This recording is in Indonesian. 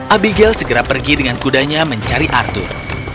abigail segera pergi dengan kudanya mencari arthur